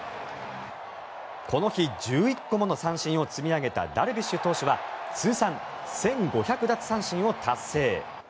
この日１１個もの三振を積み上げたダルビッシュ投手は通算１５００奪三振を達成。